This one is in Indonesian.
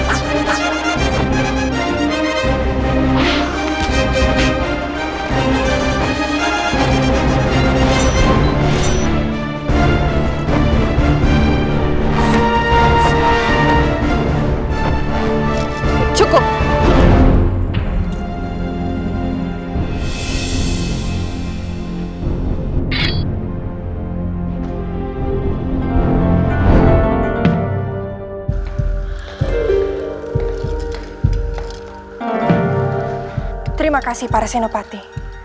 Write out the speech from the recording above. terima kasih para senopati